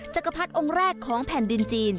จักรพรรดิองค์แรกของแผ่นดินจีน